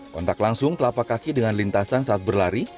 kontak langsung telapak kaki dengan lintasan saat berlari